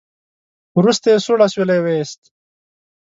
وروسته يې سوړ اسويلی وېست.